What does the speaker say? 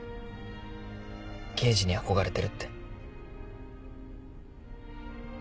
刑事に憧れてるって。